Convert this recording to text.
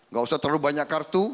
gak usah terlalu banyak kartu